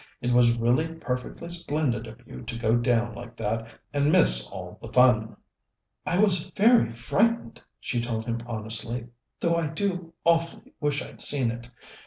It was really perfectly splendid of you to go down like that and miss all the fun." "I was very frightened," she told him honestly, "though I do awfully wish I'd seen it.